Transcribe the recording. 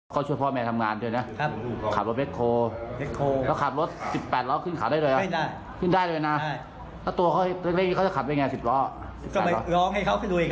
ปล่อยให้ลูกไปคนเดียวแล้วก็ไปกับลูก